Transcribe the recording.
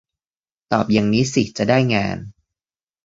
ตอบอย่างนี้สิจะได้งาน